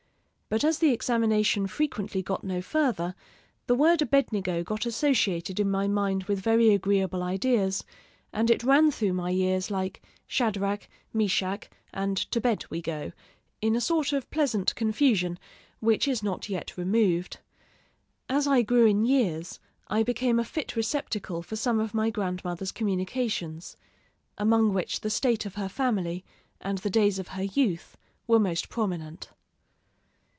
But as the examination frequently got no farther, the word Abednego got associated in my mind with very agreeable ideas, and it ran through my ears like "Shadrach, Meshach, and To bed we go," in a sort of pleasant confusion, which is not yet removed. As I grew in years, I became a fit receptacle for some of my grandmother's communications, among which the state of her family and the days of her youth were most prominent.